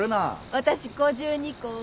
私５２個。